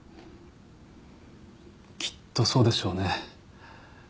きっとそうでしょうね。